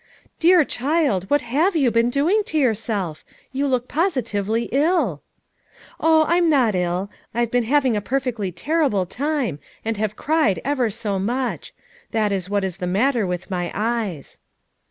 'Dear child, what have you been doing to yourself? You look positively ill!" "Oh, I'm not ill ; I've been having a perfectly terrible time, and have cried ever so much; that is what is the matter with my eyes.